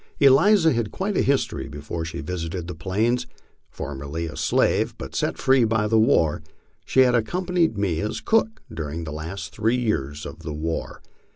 Eliza had quite a history before she visited the Plains. Formerly a slave, but set free by the war, she had accompanied me as cook during the last three years of the war.